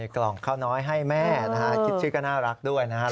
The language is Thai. กล่องข้าวน้อยให้แม่นะฮะคิดชื่อก็น่ารักด้วยนะครับ